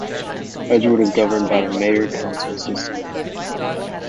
Edgewood is governed by a mayor-council system.